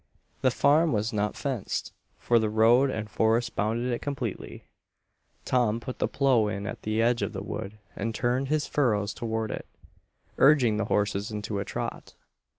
The farm was not fenced, for the road and forest bounded it completely. Tom put the plow in at the edge of the wood and turned his furrows toward it, urging the horses into a trot.